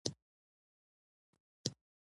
له کوچنیو کارونو څخه مه شرمېږه.